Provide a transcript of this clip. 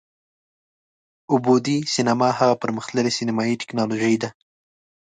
اووه بعدی سینما هغه پر مختللې سینمایي ټیکنالوژي ده،